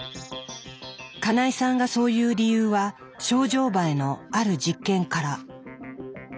金井さんがそう言う理由はショウジョウバエのある実験から。